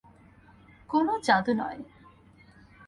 কোন জাদু নয়।